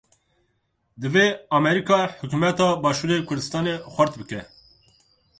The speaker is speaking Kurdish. Divê Amerîka hikûmeta başûrê Kurdistanê xurt bike.